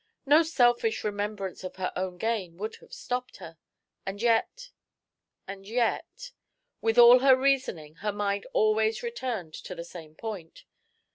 No selfish remembrance of her own gain would have stopped her. And yet and yet with all her reasoning, her mind always returned to the same point.